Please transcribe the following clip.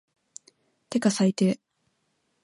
てか最低